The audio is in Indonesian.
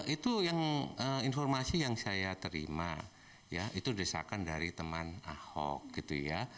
itu yang informasi yang saya terima ya itu desakan dari teman ahok gitu ya